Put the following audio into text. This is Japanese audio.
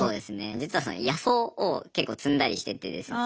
実は野草を結構摘んだりしててですね。